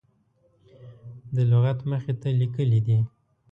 د لغت مخې ته لیکلي دي.